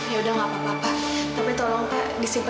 ya sudah tidak apa apa